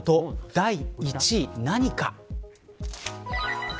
第１位、何か。